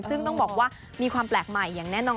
ซึ่งต้องบอกว่ามีความแปลกใหม่อย่างแน่นอน